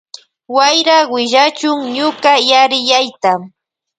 Wayra willachun ñuka yariyayta.